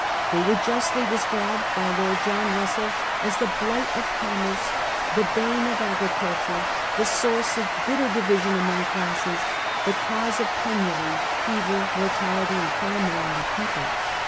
.They were justly described by Lord John Russell as 'the blight of commerce, the bane of agriculture, the source of bitter division among classes ; the cause of penury, fever, mortality and crime among the people.